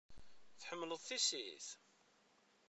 Tḥemmleḍ tissit?